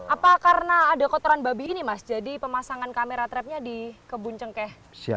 apa karena ada kotoran babi ini mas jadi pemasangan kamera trapnya di kebun cengkeh